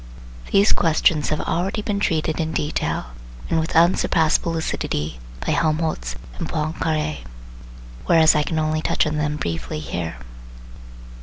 These questions have already been treated in detail and with unsurpassable lucidity by Helmholtz and Poincaré, whereas I can only touch on them briefly here.